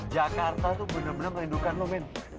jakarta tuh bener bener melindungi lo men